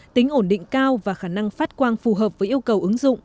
tính ổn định cao và khả năng phát quang phù hợp với yêu cầu ứng dụng